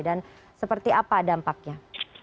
dan seperti apa dampaknya